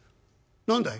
何だい？」。